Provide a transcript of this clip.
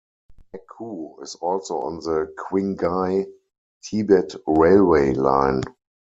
Nagqu is also on the Qinghai-Tibet railway line.